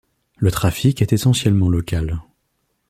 Le trafic est essentiellement local.